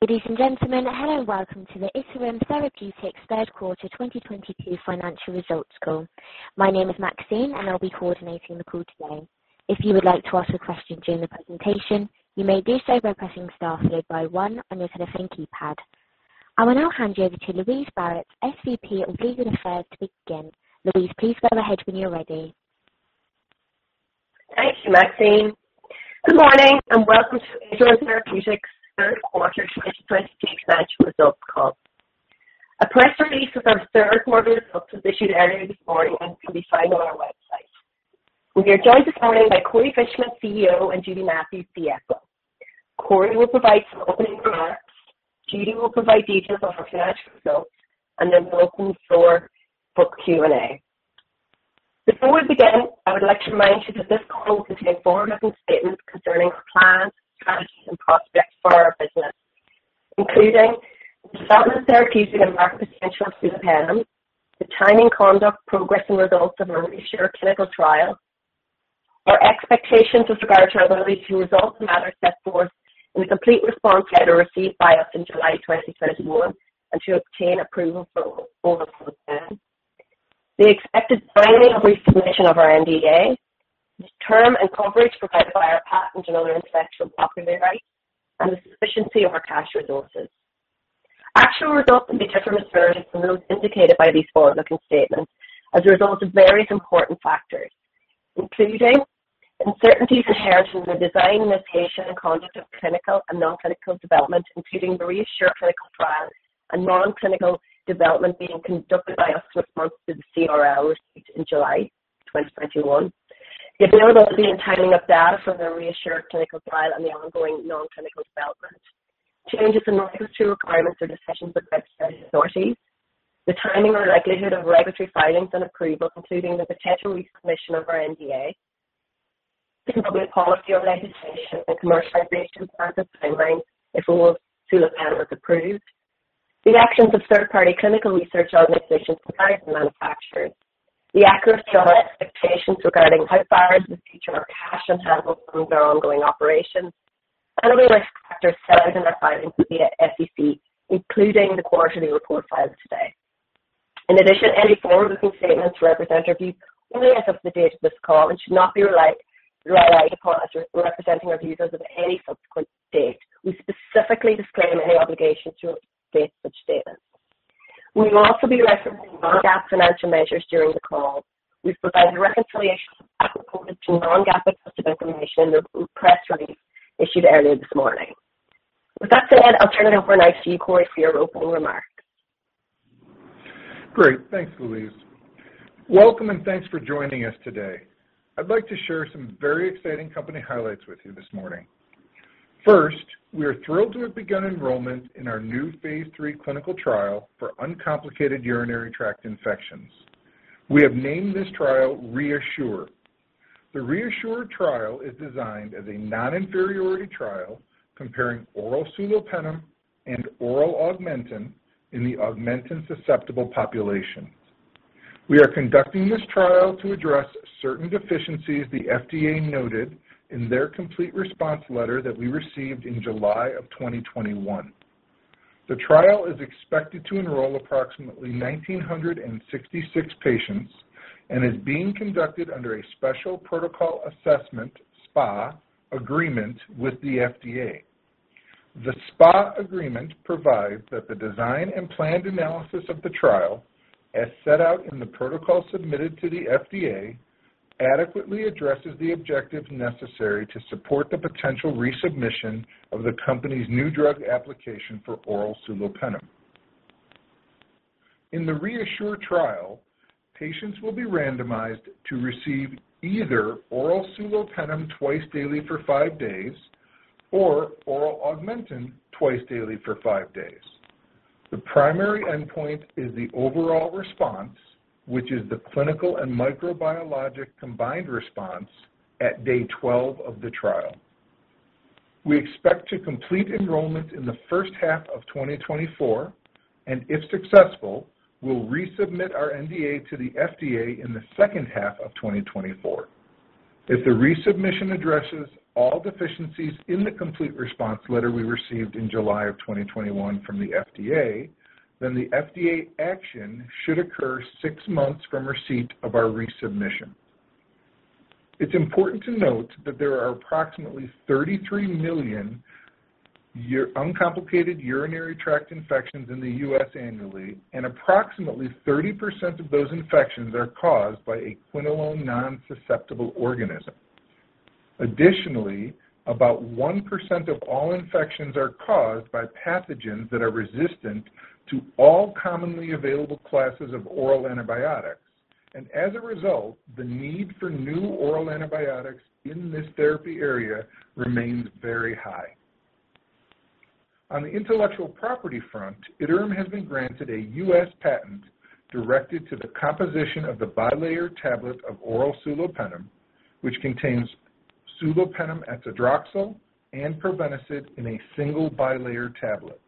Ladies and gentlemen, hello and welcome to the Iterum Therapeutics Third Quarter 2022 financial results call. My name is Maxine, and I'll be coordinating the call today. If you would like to ask a question during the presentation, you may do so by pressing star followed by one on your telephone keypad. I will now hand you over to Louise Barrett, SVP of Legal Affairs, to begin. Louise, please go ahead when you're ready. Thank you, Maxine. Good morning and welcome to Iterum Therapeutics third quarter 2022 financial results call. A press release with our third quarter results was issued earlier this morning and can be found on our website. We are joined this morning by Corey Fishman, CEO, and Judy Matthews, CFO. Corey will provide some opening remarks. Judy will provide details on our financial results, and then we'll open the floor for Q&A. Before we begin, I would like to remind you that this call contains forward-looking statements concerning our plans, strategies, and prospects for our business, including the development therapies and market potential of sulopenem, the timing, conduct, progress and results of our REASSURE clinical trial, our expectations with regard to our ability to resolve the matters set forth in the complete response letter received by us in July 2021 and to obtain approval for oral sulopenem. The expected timing of resubmission of our NDA, the term and coverage provided by our patent and other intellectual property rights, and the sufficiency of our cash resources. Actual results may be different and material from those indicated by these forward-looking statements as a result of various important factors, including uncertainties inherent in the design, initiation, and conduct of clinical and non-clinical development, including the REASSURE clinical trial and non-clinical development being conducted by us with respect to the CRL received in July 2021. The availability and timing of data from the REASSURE clinical trial and the ongoing non-clinical development. Changes in regulatory requirements or discussions with regulatory authorities. The timing or likelihood of regulatory filings and approval, including the potential resubmission of our NDA. The public policy or legislation and commercialization plans and timelines, if oral sulopenem is approved. The actions of third-party clinical research organizations and manufacturing. The accuracy of our expectations regarding how far into the future our cash on hand will fund our ongoing operations. Other risk factors set out in our filings with the SEC, including the quarterly report filed today. In addition, any forward-looking statements represent our views only as of the date of this call and should not be relied upon as representing our views as of any subsequent date. We specifically disclaim any obligation to update such statements. We will also be referencing non-GAAP financial measures during the call. We've provided a reconciliation of GAAP to non-GAAP adjusted information in the press release issued earlier this morning. With that said, I'll turn it over now to you, Corey, for your opening remarks. Great. Thanks, Louise. Welcome and thanks for joining us today. I'd like to share some very exciting company highlights with you this morning. First, we are thrilled to have begun enrollment in our new phase III clinical trial for uncomplicated urinary tract infections. We have named this trial REASSURE. The REASSURE trial is designed as a non-inferiority trial comparing oral sulopenem and oral Augmentin in the Augmentin-susceptible population. We are conducting this trial to address certain deficiencies the FDA noted in their complete response letter that we received in July 2021. The trial is expected to enroll approximately 1,966 patients and is being conducted under a special protocol assessment, SPA, agreement with the FDA. The SPA agreement provides that the design and planned analysis of the trial, as set out in the protocol submitted to the FDA, adequately addresses the objectives necessary to support the potential resubmission of the company's new drug application for oral sulopenem. In the REASSURE trial, patients will be randomized to receive either oral sulopenem twice daily for five days or oral Augmentin twice daily for five days. The primary endpoint is the overall response, which is the clinical and microbiologic combined response at day 12 of the trial. We expect to complete enrollment in the first half of 2024, and if successful, we'll resubmit our NDA to the FDA in the second half of 2024. If the resubmission addresses all deficiencies in the complete response letter we received in July of 2021 from the FDA, then the FDA action should occur six months from receipt of our resubmission. It's important to note that there are approximately 33 million uncomplicated urinary tract infections in the U.S. annually, and approximately 30% of those infections are caused by a quinolone non-susceptible organism. Additionally, about 1% of all infections are caused by pathogens that are resistant to all commonly available classes of oral antibiotics, and as a result, the need for new oral antibiotics in this therapy area remains very high. On the intellectual property front, Iterum has been granted a U.S. patent directed to the composition of the bilayer tablet of oral sulopenem, which contains sulopenem etzadroxil and probenecid in a single bilayer tablet.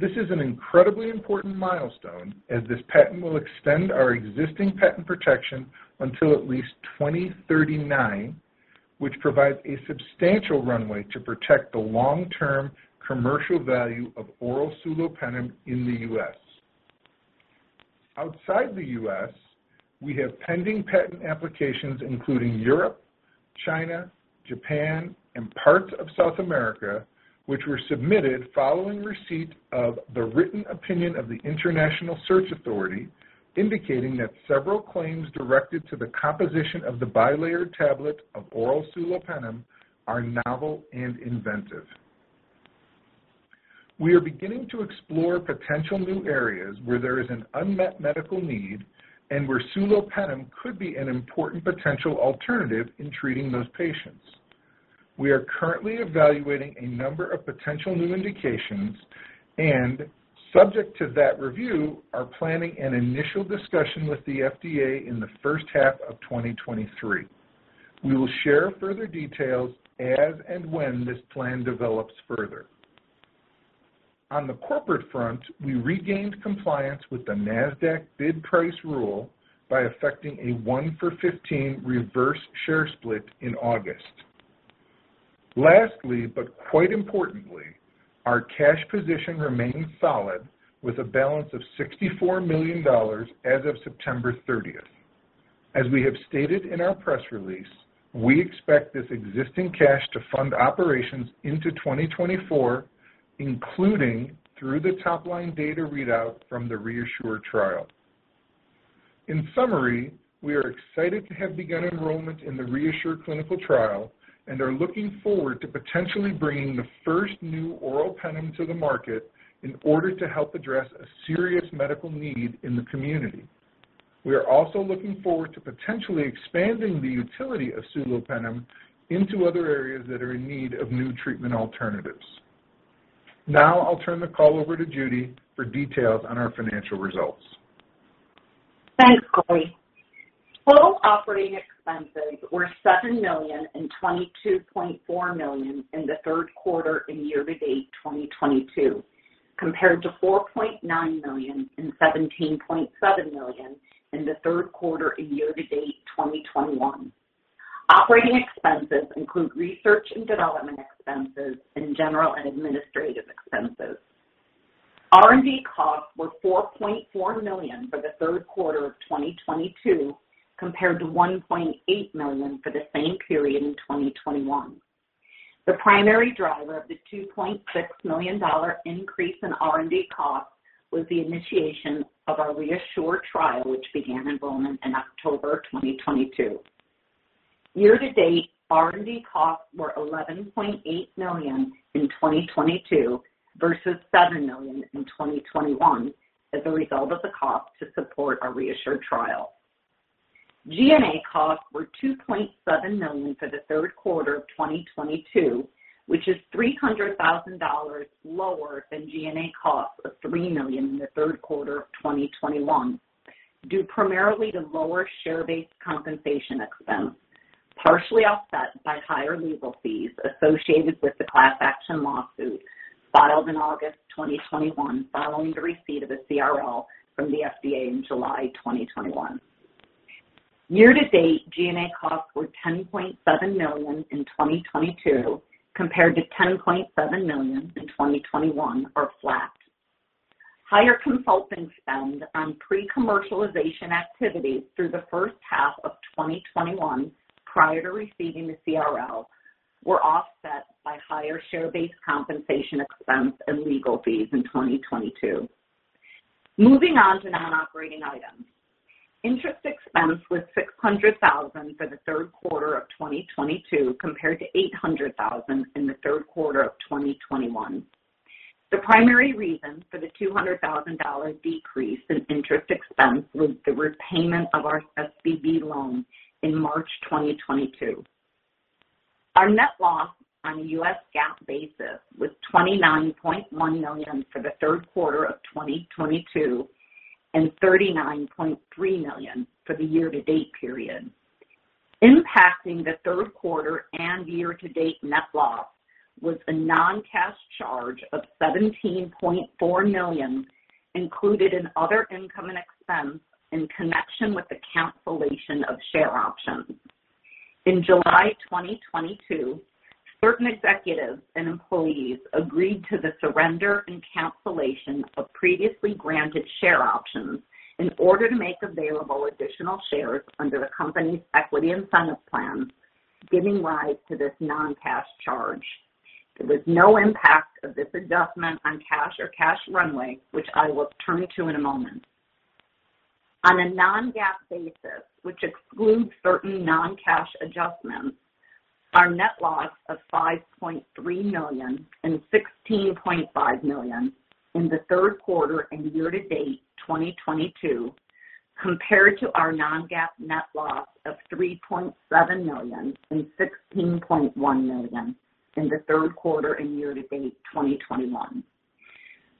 This is an incredibly important milestone as this patent will extend our existing patent protection until at least 2039, which provides a substantial runway to protect the long-term commercial value of oral sulopenem in the U.S. Outside the U.S., we have pending patent applications, including Europe, China, Japan, and parts of South America, which were submitted following receipt of the written opinion of the International Searching Authority, indicating that several claims directed to the composition of the bilayer tablet of oral sulopenem are novel and inventive. We are beginning to explore potential new areas where there is an unmet medical need and where sulopenem could be an important potential alternative in treating those patients. We are currently evaluating a number of potential new indications and subject to that review, are planning an initial discussion with the FDA in the first half of 2023. We will share further details as and when this plan develops further. On the corporate front, we regained compliance with the Nasdaq bid price rule by effecting a one-for-15 reverse share split in August. Lastly, but quite importantly, our cash position remains solid with a balance of $64 million as of September thirtieth. As we have stated in our press release, we expect this existing cash to fund operations into 2024, including through the top-line data readout from the REASSURE trial. In summary, we are excited to have begun enrollment in the REASSURE clinical trial and are looking forward to potentially bringing the first new oral penem to the market in order to help address a serious medical need in the community. We are also looking forward to potentially expanding the utility of sulopenem into other areas that are in need of new treatment alternatives. Now I'll turn the call over to Judy for details on our financial results. Thanks, Corey. Total operating expenses were $7 million and $22.4 million in the third quarter and year-to-date 2022, compared to $4.9 million and $17.7 million in the third quarter and year-to-date 2021. Operating expenses include research and development expenses and general and administrative expenses. R&D costs were $4.4 million for the third quarter of 2022, compared to $1.8 million for the same period in 2021. The primary driver of the $2.6 million increase in R&D costs was the initiation of our REASSURE trial, which began enrollment in October 2022. Year-to-date, R&D costs were $11.8 million in 2022 versus $7 million in 2021 as a result of the cost to support our REASSURE trial. G&A costs were $2.7 million for the third quarter of 2022, which is $300,000 lower than G&A costs of $3 million in the third quarter of 2021, due primarily to lower share-based compensation expense, partially offset by higher legal fees associated with the class action lawsuit filed in August 2021 following the receipt of a CRL from the FDA in July 2021. Year to date, G&A costs were $10.7 million in 2022 compared to $10.7 million in 2021, or flat. Higher consulting spend on pre-commercialization activities through the first half of 2021 prior to receiving the CRL were offset by higher share-based compensation expense and legal fees in 2022. Moving on to non-operating items. Interest expense was $600,000 for the third quarter of 2022 compared to $800,000 in the third quarter of 2021. The primary reason for the $200,000 decrease in interest expense was the repayment of our SVB loan in March 2022. Our net loss on a U.S. GAAP basis was $29.1 million for the third quarter of 2022, and $39.3 million for the year-to-date period. Impacting the third quarter and year-to-date net loss was a non-cash charge of $17.4 million included in other income and expense in connection with the cancellation of share options. In July 2022, certain executives and employees agreed to the surrender and cancellation of previously granted share options in order to make available additional shares under the company's equity incentive plans, giving rise to this non-cash charge. There was no impact of this adjustment on cash or cash runway, which I will turn to in a moment. On a non-GAAP basis, which excludes certain non-cash adjustments, our net loss of $5.3 million and $16.5 million in the third quarter and year-to-date 2022, compared to our non-GAAP net loss of $3.7 million and $16.1 million in the third quarter and year-to-date 2021.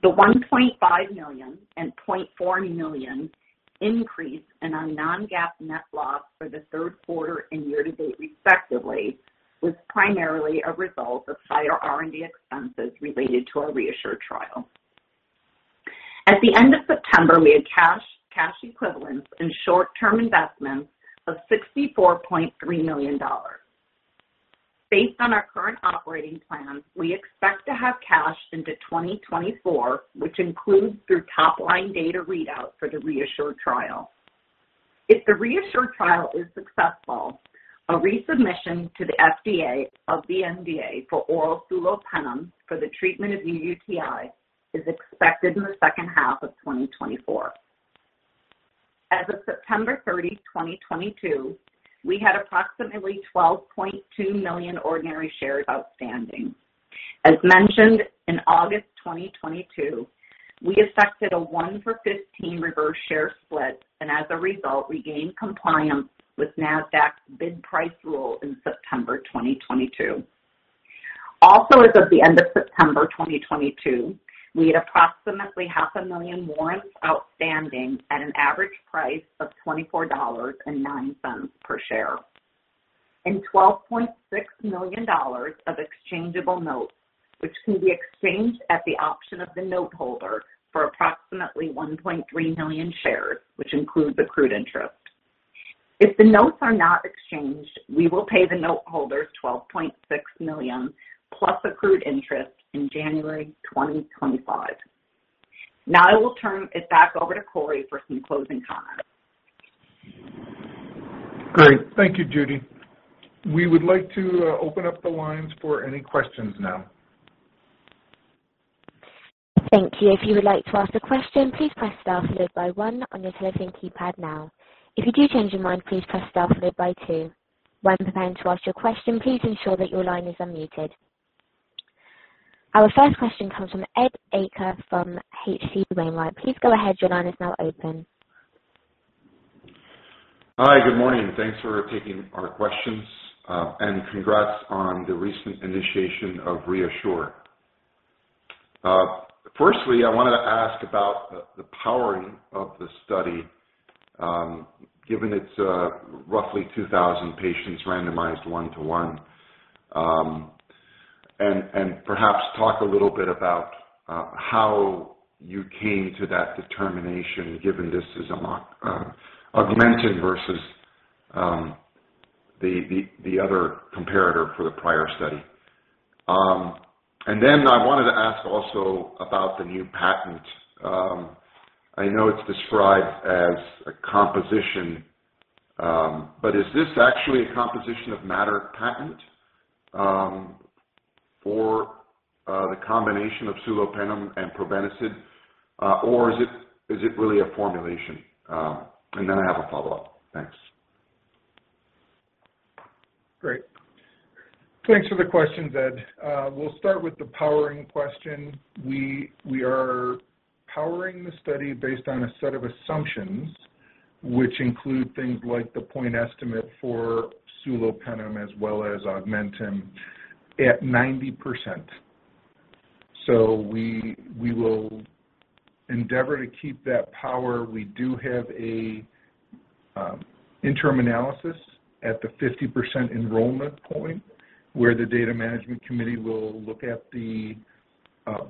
The $1.5 million and $0.4 million increase in our non-GAAP net loss for the third quarter and year-to-date, respectively, was primarily a result of higher R&D expenses related to our REASSURE trial. At the end of September, we had cash equivalents and short-term investments of $64.3 million. Based on our current operating plans, we expect to have cash into 2024, which includes through top line data readout for the REASSURE trial. If the REASSURE trial is successful, a resubmission to the FDA of the NDA for oral sulopenem for the treatment of UTIs is expected in the second half of 2024. As of September 30, 2022, we had approximately $12.2 million ordinary shares outstanding. As mentioned, in August 2022, we effected a one-for-15 reverse share split, and as a result, we gained compliance with Nasdaq's bid price rule in September 2022. As of the end of September 2022, we had approximately 500,000 warrants outstanding at an average price of $24.09 per share and $12.6 million of exchangeable notes, which can be exchanged at the option of the note holder for approximately 1.3 million shares, which includes accrued interest. If the notes are not exchanged, we will pay the note holders $12.6 million plus accrued interest in January 2025. Now I will turn it back over to Corey for some closing comments. Great. Thank you, Judy. We would like to open up the lines for any questions now. Thank you. If you would like to ask a question, please press star followed by one on your telephone keypad now. If you do change your mind, please press star followed by two. When preparing to ask your question, please ensure that your line is unmuted. Our first question comes from Ed Arce from H.C. Wainwright. Please go ahead. Your line is now open. Hi, good morning. Thanks for taking our questions, and congrats on the recent initiation of REASSURE. Firstly, I wanted to ask about the powering of the study, given it's roughly 2,000 patients randomized one to one. Perhaps talk a little bit about how you came to that determination, given this is a lot Augmentin versus the other comparator for the prior study. I wanted to ask also about the new patent. I know it's described as a composition, but is this actually a composition of matter patent for the combination of sulopenem and probenecid? Or is it really a formulation? I have a follow-up. Thanks. Great. Thanks for the question, Ed. We'll start with the powering question. We are powering the study based on a set of assumptions which include things like the point estimate for sulopenem as well as Augmentin at 90%. We will endeavor to keep that power. We do have an interim analysis at the 50% enrollment point where the Data Monitoring Committee will look at the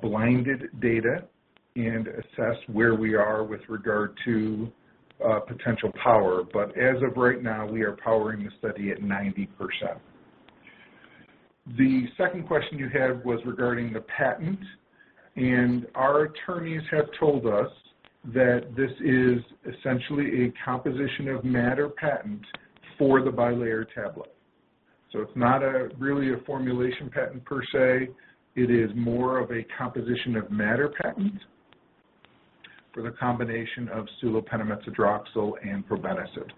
blinded data and assess where we are with regard to potential power. As of right now, we are powering the study at 90%. The second question you had was regarding the patent, and our attorneys have told us that this is essentially a composition of matter patent for the bilayer tablet. It's not really a formulation patent per se. It is more of a composition of matter patent for the combination of sulbactam, ampicillin and probenecid.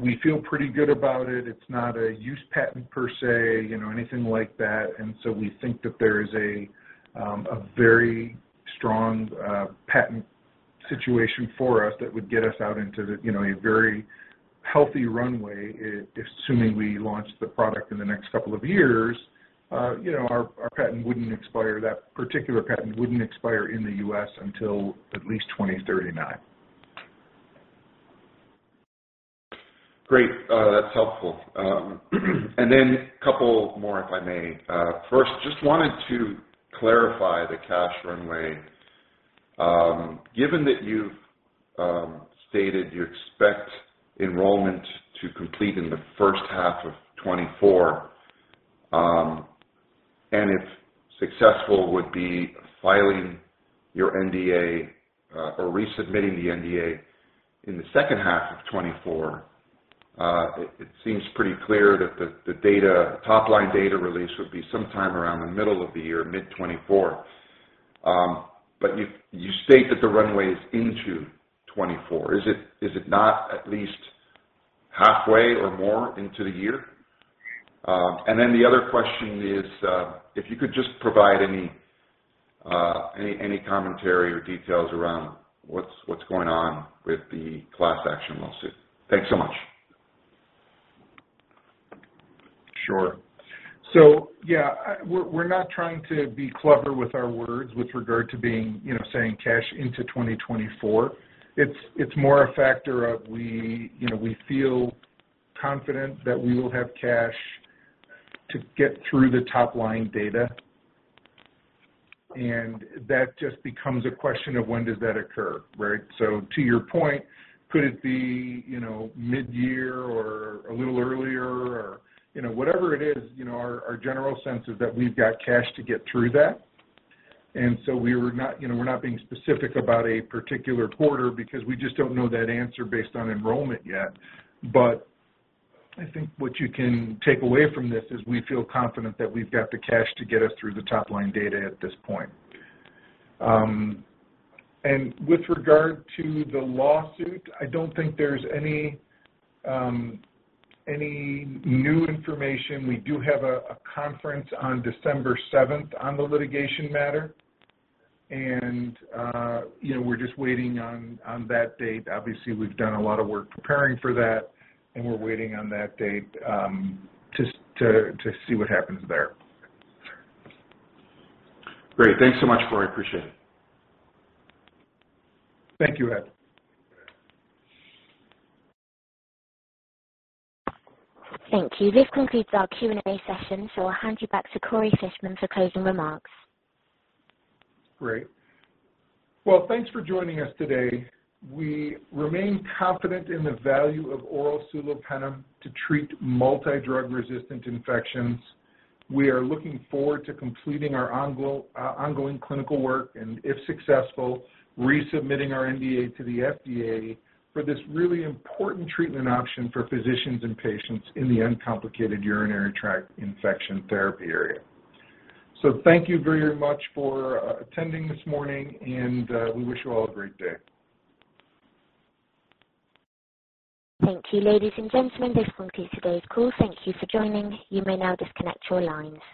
We feel pretty good about it. It's not a use patent per se, you know, anything like that. We think that there is a very strong patent situation for us that would get us out into a very healthy runway assuming we launch the product in the next couple of years, you know, our patent wouldn't expire, that particular patent wouldn't expire in the U.S. until at least 2039. Great. That's helpful. Couple more, if I may. First, just wanted to clarify the cash runway. Given that you've stated you expect enrollment to complete in the first half of 2024, and if successful, would be filing your NDA or resubmitting the NDA in the second half of 2024, it seems pretty clear that the data, top line data release would be sometime around the middle of the year, mid 2024. You state that the runway is into 2024. Is it not at least halfway or more into the year? The other question is, if you could just provide any commentary or details around what's going on with the class action lawsuit. Thanks so much. Yeah, we're not trying to be clever with our words with regard to being, you know, saying cash into 2024. It's more a factor of we, you know, we feel confident that we will have cash to get through the top line data. That just becomes a question of when does that occur, right? To your point, could it be, you know, mid-year or a little earlier? Or, you know, whatever it is, you know, our general sense is that we've got cash to get through that. We're not being specific about a particular quarter because we just don't know that answer based on enrollment yet. I think what you can take away from this is we feel confident that we've got the cash to get us through the top line data at this point. With regard to the lawsuit, I don't think there's any new information. We do have a conference on December 7th on the litigation matter. You know, we're just waiting on that date. Obviously, we've done a lot of work preparing for that, and we're waiting on that date to see what happens there. Great. Thanks so much, Corey. Appreciate it. Thank you, Ed. Thank you. This concludes our Q&A session, so I'll hand you back to Corey Fishman for closing remarks. Great. Well, thanks for joining us today. We remain confident in the value of oral sulopenem to treat multi-drug resistant infections. We are looking forward to completing our ongoing clinical work, and if successful, resubmitting our NDA to the FDA for this really important treatment option for physicians and patients in the uncomplicated urinary tract infection therapy area. Thank you very much for attending this morning and we wish you all a great day. Thank you. Ladies and gentlemen, this concludes today's call. Thank you for joining. You may now disconnect your lines.